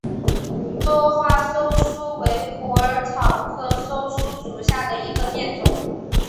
多花溲疏为虎耳草科溲疏属下的一个变种。